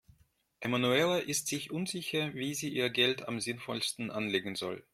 Emanuela ist sich unsicher, wie sie ihr Geld am sinnvollsten anlegen soll.